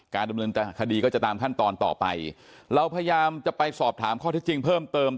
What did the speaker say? ดำเนินคดีก็จะตามขั้นตอนต่อไปเราพยายามจะไปสอบถามข้อที่จริงเพิ่มเติม